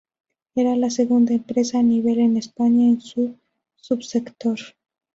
Era la segunda empresa a nivel en España en su subsector.